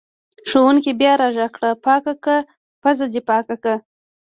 ښوونکي بیا راغږ کړ: پاکه که پوزه دې پاکه که!